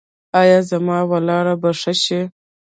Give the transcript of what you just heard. ایا زما ولاړه به ښه شي؟